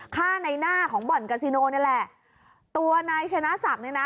ฆ่าในหน้าของบ่อนกาซิโนนี่แหละตัวนายชนะศักดิ์เนี่ยนะ